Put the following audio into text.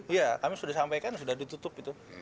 iya kami sudah sampaikan sudah ditutup gitu